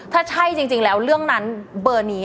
ถ้าใช่จริงแล้วเรื่องนั้นเบอร์นี้